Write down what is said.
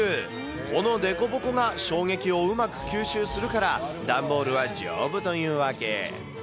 この凸凹が衝撃をうまく吸収するから、段ボールは丈夫というわけ。